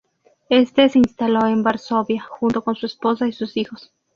Este se instaló en Varsovia junto con su esposa y sus hijos.